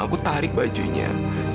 aku tarik bajunya